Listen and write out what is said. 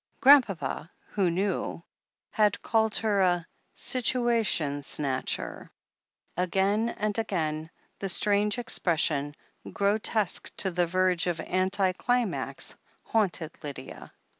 Grandpapa, who knew, had called her "a situation snatcher." Again and again, the strange expression, grotesque to the verge of anti climax, haunted Lydia.